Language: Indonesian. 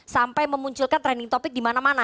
sampai memunculkan trending topic dimana mana